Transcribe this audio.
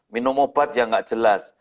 minum obat yang nggak jelas